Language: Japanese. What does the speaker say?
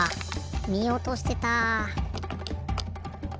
みおとしてた。